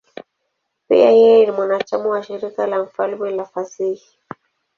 Pia yeye ni mwanachama wa Shirika la Kifalme la Fasihi.